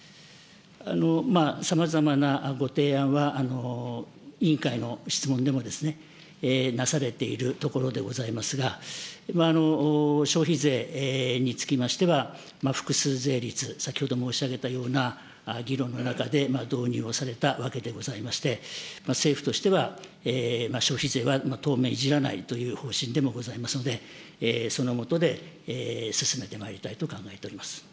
さまざまなご提案は、委員会の質問でもなされているところでございますが、消費税につきましては複数税率、先ほど申し上げたような議論の中で導入をされたわけでございまして、政府としては、消費税は当面いじらないという方針でもございますので、そのもとで進めてまいりたいと考えております。